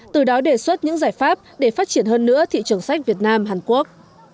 từ đó đề xuất những giải pháp để phát triển hơn nữa thị trường sách việt nam hàn quốc